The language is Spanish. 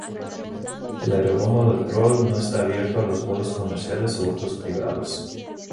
El Aeródromo de Troll no está abierto a los vuelos comerciales u otros privados.